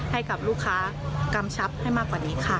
ให้กับลูกค้ากำชับให้มากกว่านี้ค่ะ